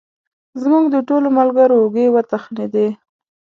زموږ د ټولو ملګرو اوږې وتخنېدې.